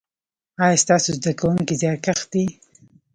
ایا ستاسو زده کونکي زیارکښ دي؟